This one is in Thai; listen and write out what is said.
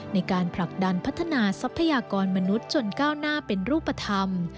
ในการผลักดันพัฒนาทรัพยากรมนุษย์จนก้าวหน้าเป็นรูปธรรม